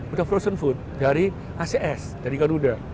sudah frozen food dari acs dari garuda